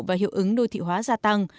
và hiệu ứng đô thị hóa gia tăng